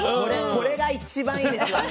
これが一番いいですよね。